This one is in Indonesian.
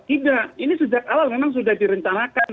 tidak ini sejak awal memang sudah direncanakan